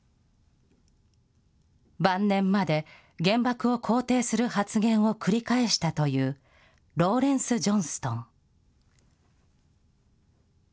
晩年まで原爆を肯定する発言を繰り返したというローレンス・ジョンストン。